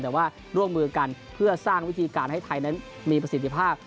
แต่ว่าร่วมมือกันเพื่อสร้างวิธีการให้ไทยนั้นมีประสิทธิภาพ